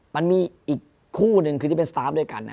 มันมีอีกคู่หนึ่งคือที่เป็นสตาร์ฟด้วยกัน